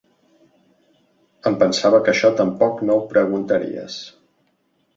Em pensava que això tampoc no ho preguntaries!